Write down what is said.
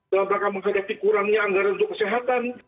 dalam rangka menghadapi kurangnya anggaran untuk kesehatan